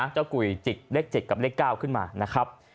กุยจิกเลข๗กับเลข๙ขึ้นมานะครับ